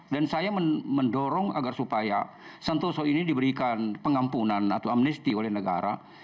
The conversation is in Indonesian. dan saya mendorong agar supaya santoso ini diberikan pengampunan atau amnesti oleh negara